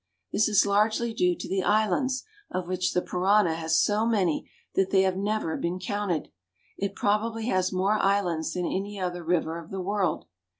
This is largely due to the islands, of which the Parana has so many that they have never been counted. It prob ably has more islands than any other river of the world.